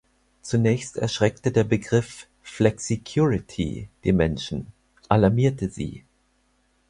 Zunächst erschreckte der Begriff "Flexicurity" die Menschen, alarmierte sie.